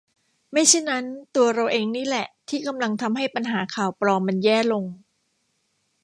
ไม่เช่นนั้นตัวเราเองนี่แหละที่กำลังทำให้ปัญหา ข่าวปลอม มันแย่ลง